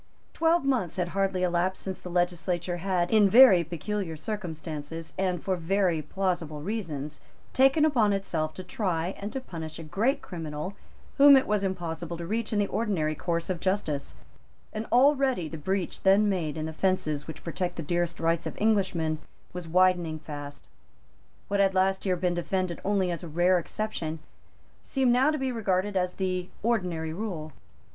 Twelve months had hardly elapsed since the legislature had, in very peculiar circumstances, and for very plausible reasons, taken upon itself to try and to punish a great criminal whom it was impossible to reach in the ordinary course of justice; and already the breach then made in the fences which protect the dearest rights of Englishmen was widening fast. What had last year been defended only as a rare exception seemed now to be regarded as the ordinary rule.